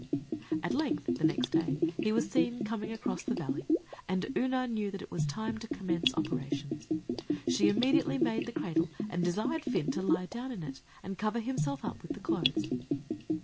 At length, the next day, he was seen coming across the valley, and Oonagh knew that it was time to commence operations. She immediately made the cradle, and desired Fin to lie down in it, and cover himself up with the clothes.